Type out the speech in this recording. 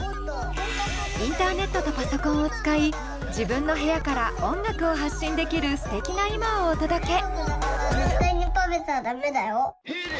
インターネットとパソコンを使い自分の部屋から音楽を発信できるすてきな今をお届け！